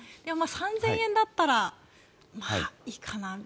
３０００円だったらまあ、いいかなと。